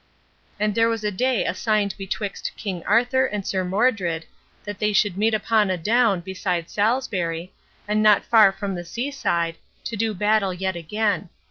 And there was a day assigned betwixt King Arthur and Sir Modred that they should meet upon a down beside Salisbury, and not far from the sea side, to do battle yet again.